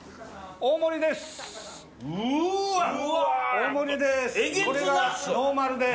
大盛りです。